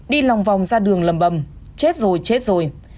đi lòng vòng ra đường lầm bầm chết rồi chết rồi